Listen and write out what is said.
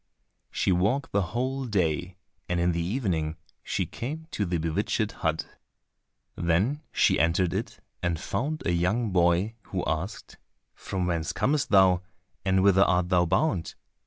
She walked the whole day, and in the evening she came to the bewitched hut. Then she entered it and found a young boy, who asked, "From whence comest thou, and whither art thou bound?"